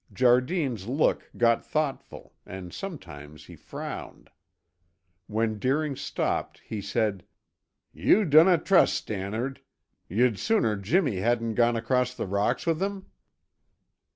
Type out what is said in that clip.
Jardine's look got thoughtful and sometimes he frowned. When Deering stopped he said, "Ye dinna trust Stannard! Ye'd sooner Jimmy hadna gone across the rocks wi' him?"